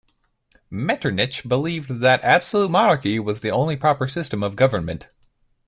Metternich believed that absolute monarchy was the only proper system of government.